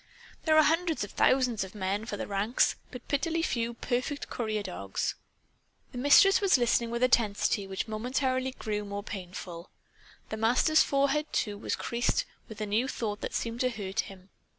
There are hundreds of thousands of men for the ranks, but pitifully few perfect courier dogs." The Mistress was listening with a tensity which momentarily grew more painful. The Master's forehead, too, was creased with a new thought that seemed to hurt him.